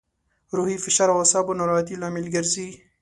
روحي فشار او اعصابو ناراحتي لامل ګرځي.